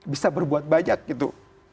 bisa berbuat banyak gitu